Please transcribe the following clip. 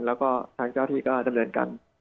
แล้วก็ทางเจ้าที่ก็เจริญกัน